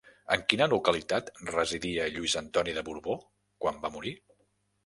En quina localitat residia Lluís Antoni de Borbó quan va morir?